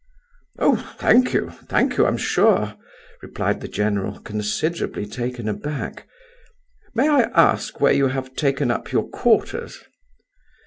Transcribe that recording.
"Oh, thank you, thank you, I'm sure," replied the general, considerably taken aback. "May I ask where you have taken up your quarters?"